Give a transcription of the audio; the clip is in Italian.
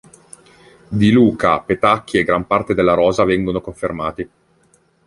Di Luca, Petacchi e gran parte della rosa vengono confermati.